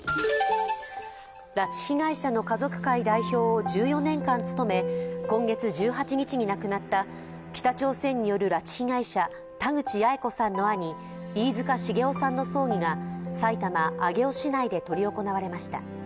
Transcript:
拉致被害者の家族会代表を１４年間務め、今月１８日に亡くなった北朝鮮による拉致被害者・田口八重子さんの兄飯塚繁雄さんの葬儀が埼玉・上尾市内で執り行われました